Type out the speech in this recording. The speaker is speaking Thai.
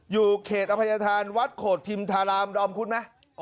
อยู่เขตอภัยทานวัดโขทีมทารามรอบคุ้นมั้ย